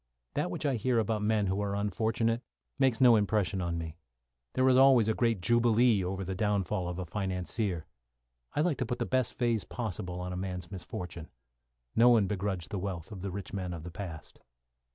That which I hear about men who are unfortunate makes no impression on me. There is always a great jubilee over the downfall of a financier. I like to put the best phase possible upon a man's misfortune. No one begrudged the wealth of the rich men of the past.